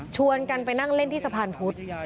กันไปนั่งเล่นที่สะพานพุธ